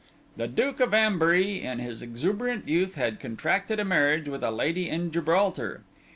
The Duke of Ambury, in his exuberant youth, had contracted a marriage with a lady in Gibraltar.